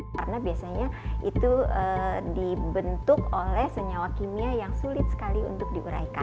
karena biasanya itu dibentuk oleh senyawa kimia yang sulit sekali untuk diuraikan